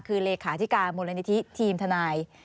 คือเลขาธิการมูลนิธิทีมทนาย